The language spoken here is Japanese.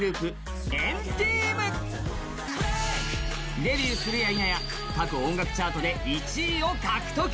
デビューするやいなや各音楽チャートで１位を獲得。